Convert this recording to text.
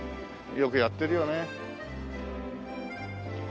よくやってるよね。